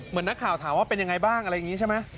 นักข่าวถามว่าเป็นยังไงบ้างอะไรอย่างนี้ใช่ไหม